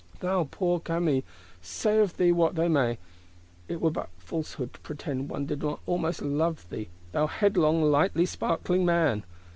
Thou poor Camille, say of thee what they may, it were but falsehood to pretend one did not almost love thee, thou headlong lightly sparkling man!